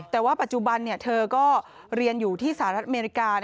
แต่ว่าปัจจุบันเธอก็เรียนอยู่ที่สหรัฐอเมริกา